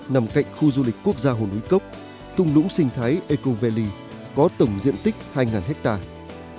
nằm cạnh khu du lịch quốc gia hồ núi cốc thung lũng sinh thái eco valley có tổng diện tích hai hectare